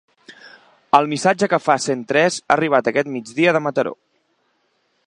El missatge que fa cent tres ha arribat aquest migdia de Mataró.